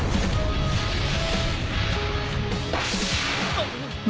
あっ。